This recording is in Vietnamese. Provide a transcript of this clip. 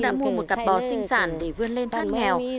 đã cùng một cặp bò sinh sản để vươn lên thoát nghèo